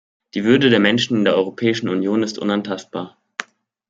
Die Würde der Menschen in der Europäischen Union ist unantastbar.